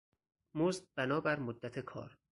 مزد بنابر مدت کار